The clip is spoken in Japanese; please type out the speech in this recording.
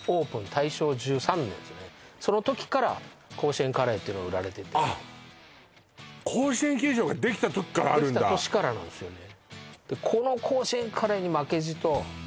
大正１３年ですねその時から甲子園カレーっていうのが売られててあっ甲子園球場ができた時からあるんだできた年からなんですよね